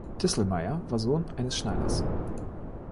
Distelmeyer war Sohn eines Schneiders.